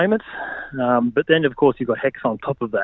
anda mungkin akan menghilangkan uang pembayaran kewangan lainnya